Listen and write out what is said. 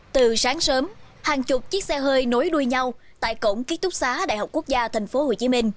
từ sáng sớm hàng chục chiếc xe hơi nối đuôi nhau tại cổng ký túc xá đại học quốc gia tp hcm